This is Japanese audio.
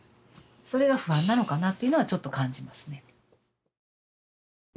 それが不安なのかなっていうのはちょっと感じますね。